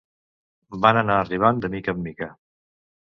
Van anar arribant de mica en mica.